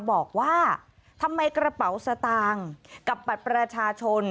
บอกว่าทำไมกระเป๋าสตางค์กับบัตรประชาชน